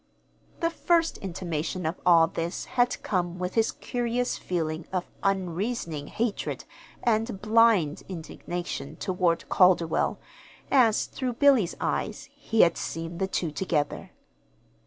The first intimation of all this had come with his curious feeling of unreasoning hatred and blind indignation toward Calderwell as, through Billy's eyes, he had seen the two together.